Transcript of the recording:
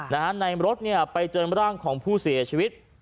ในรถเนี่ยไปเจอร่างของผู้เสียชีวิต